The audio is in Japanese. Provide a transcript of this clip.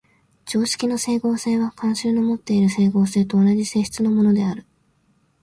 常識の斉合性は慣習のもっている斉合性と同じ性質のものである。